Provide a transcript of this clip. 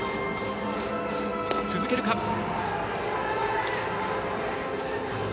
続けるか。